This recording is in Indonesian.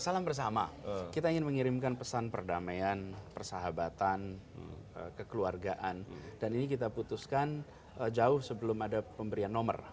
salam bersama kita ingin mengirimkan pesan perdamaian persahabatan kekeluargaan dan ini kita putuskan jauh sebelum ada pemberian nomor